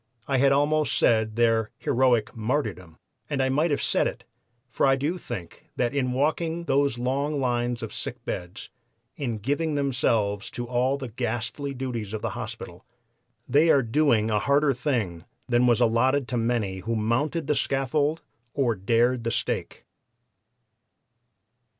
I had almost said their heroic martyrdom! And I might have said it, for I do think that in walking those long lines of sick beds, in giving themselves to all the ghastly duties of the hospital, they are doing a harder thing than was allotted to many who mounted the scaffold or dared the stake."